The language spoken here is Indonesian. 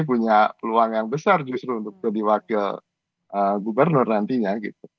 punya peluang yang besar justru untuk jadi wakil gubernur nantinya